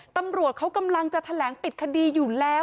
ตำรวจเขากำลังจะแถลงปิดคดีอยู่แล้ว